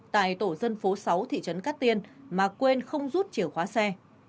tại tổ dân phố sáu thị trấn cát tiên mà quên không rút chìa khóa xe